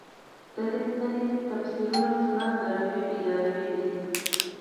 د دین سنتي تفسیرونه سنت دورې پیداوار دي.